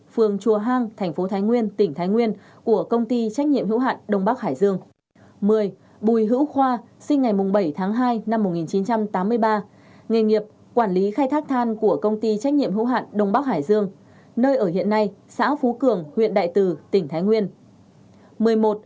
một mươi bùi hữu khoa sinh ngày bảy tháng hai năm một nghìn chín trăm tám mươi ba nghề nghiệp quản lý khai thác than của công ty trách nhiệm hữu hạn đông bắc hải dương nơi ở hiện nay xã phú cường huyện đại từ tp hcm